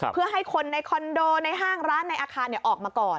เพื่อให้คนในคอนโดในห้างร้านในอาคารออกมาก่อน